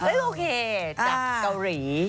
โอเคจากเกาหลี